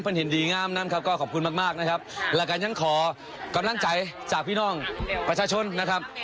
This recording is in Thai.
เห็นดีงามนั้นครับก็ขอบคุณมากมากนะครับแล้วก็ยังขอกำลังใจจากพี่น้องประชาชนนะครับ